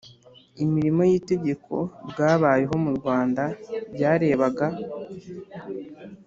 imirimo y itegeko bwabayeho mu Rwanda Byarebaga